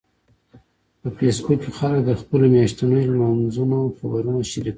په فېسبوک کې خلک د خپلو میاشتنيو لمانځنو خبرونه شریکوي